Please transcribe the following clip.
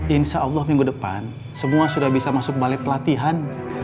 insyaallah minggu depan semua sudah bisa masuk balet pelatihan